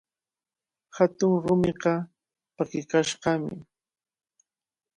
Hatun rumiqa pakikashqami.